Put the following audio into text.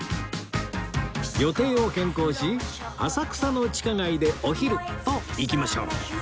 予定を変更し浅草の地下街でお昼といきましょう